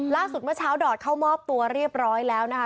เมื่อเช้าดอดเข้ามอบตัวเรียบร้อยแล้วนะคะ